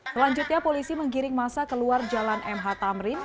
selanjutnya polisi menggiring masa keluar jalan mh tamrin